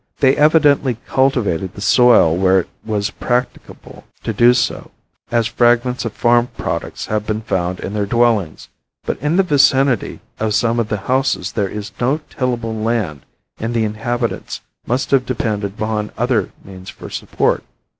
They evidently cultivated the soil where it was practicable to do so as fragments of farm products have been found in their dwellings, but in the vicinity of some of the houses there is no tillable land and the inhabitants must have depended upon other means for support.